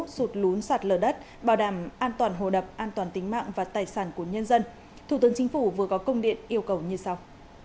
sụt lún sạt lở đất bảo đảm an toàn hồ đập an toàn tính mạng và tài sản của nhân dân thủ tướng chính phủ vừa có công điện yêu cầu như sau